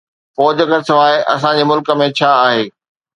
فوج کان سواءِ اسان جي ملڪ ۾ ڇا آهي؟